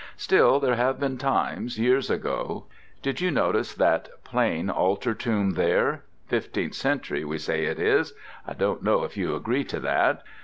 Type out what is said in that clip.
Still there have been times, years ago. Did you notice that plain altar tomb there fifteenth century we say it is, I don't know if you agree to that?